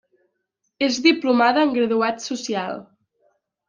És diplomada en graduat social.